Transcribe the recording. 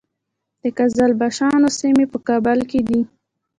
د قزلباشانو سیمې په کابل کې دي